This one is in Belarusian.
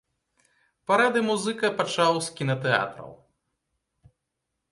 Парады музыка пачаў з кінатэатраў.